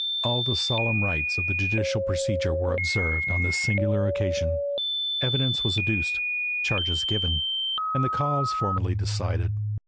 All the solemn rites of judicial procedure were observed on this singular occasion; evidence was adduced, charges given, and the cause formally decided.